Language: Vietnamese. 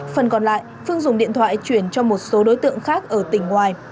phần còn lại phương dùng điện thoại chuyển cho một số đối tượng khác ở tỉnh ngoài